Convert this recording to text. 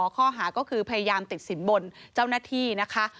ข้อหาก็คือพยายามติดสินบนเจ้าหน้าที่นะคะ